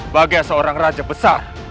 bagi seorang raja besar